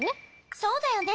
そうだよね。